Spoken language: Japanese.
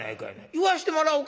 言わしてもらおか。